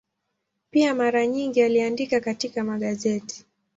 Pia mara nyingi aliandika katika magazeti.